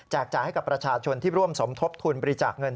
จ่ายให้กับประชาชนที่ร่วมสมทบทุนบริจาคเงิน